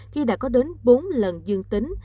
khi đã có đến bốn lần dương tính